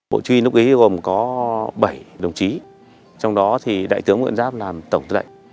bộ chỉ huy núp kế gồm có bảy đồng chí trong đó thì đại tướng võ nguyên giáp làm tổng tư lệnh